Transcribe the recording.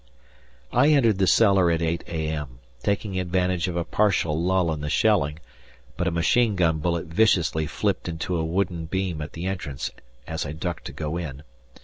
I entered the cellar at 8 a.m., taking advantage of a partial lull in the shelling, but a machine gun bullet viciously flipped into a wooden beam at the entrance as I ducked to go in.